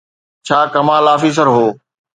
ڇا ڪمال آفيسر هو؟